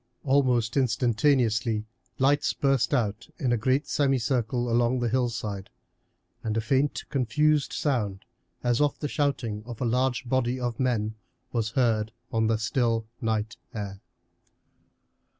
Almost instantaneously lights burst out in a great semicircle along the hillside, and a faint confused sound, as of the shouting of a large body of men, was heard on the still night air.